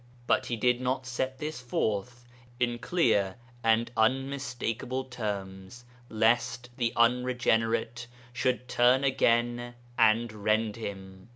But he did not set this forth in clear and unmistakable terms, lest 'the unregenerate' should turn again and rend him.